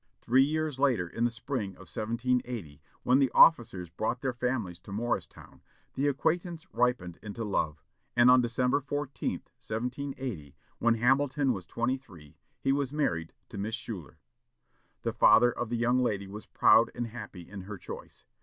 Three years later, in the spring of 1780, when the officers brought their families to Morristown, the acquaintance ripened into love, and December 14, 1780, when Hamilton was twenty three, he was married to Miss Schuyler. The father of the young lady was proud and happy in her choice.